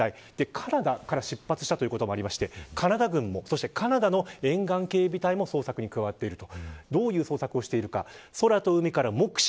カナダから出発したということもあってカナダ軍、そしてカナダの沿岸警備隊も捜索に加わっています。